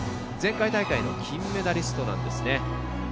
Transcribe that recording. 前回大会の金メダリストなんですね。